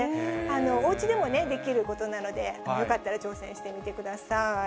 おうちでもできることなので、よかったら挑戦してみてください。